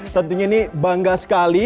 tentunya ini bangga sekali